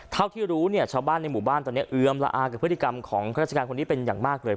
เท่าที่รู้เนี่ยชาวบ้านในหมู่บ้านตอนนี้เอือมละอากับพฤติกรรมของราชการคนนี้เป็นอย่างมากเลย